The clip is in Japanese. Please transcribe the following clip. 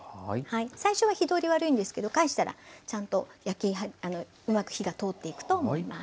最初は火通り悪いんですけど返したらうまく火が通っていくと思います。